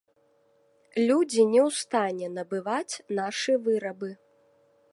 Людзі не ў стане набываць нашы вырабы.